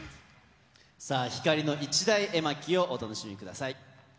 さあ、光の一大絵巻をお楽しみください。